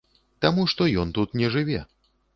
Таму што ён тут не жыве.